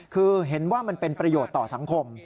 คือเห็นว่ามันเป็นประโยชน์ต่อสังคม